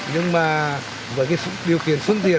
nhưng mà với điều kiện phương tiện